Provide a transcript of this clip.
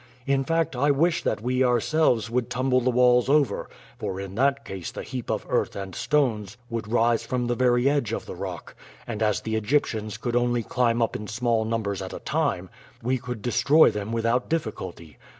In fact, I wish that we ourselves could tumble the walls over, for in that case the heap of earth and stones would rise from the very edge of the rock, and as the Egyptians could only climb up in small numbers at a time, we could destroy them without difficulty.